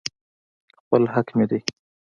خپل حق مې دى.